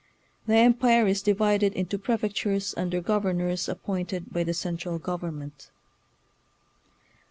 The Empire is divided into prefectures under governors appointed by the central government.